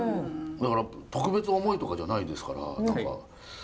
だから特別重いとかじゃないですから何か。